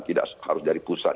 tidak harus dari pusat